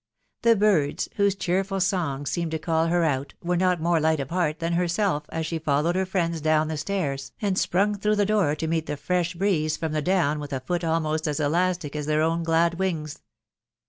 The birds, whose cheerful songa seemed to call her only iw not more light of heart than herself, as she followed he*, fricndt down the stairs, and sprung through the door to meet the fresh breeze from' the down wish a> foot almost as elastic aa their esnt glad wings.